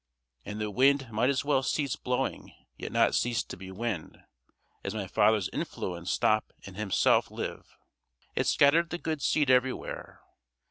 And the wind might as well cease blowing yet not cease to be wind, as my father's influence stop and himself live. It scattered the good seed everywhere.